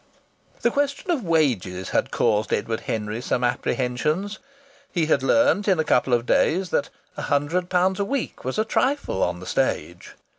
The question of wages had caused Edward Henry some apprehensions. He had learnt in a couple of days that a hundred pounds a week was a trifle on the stage.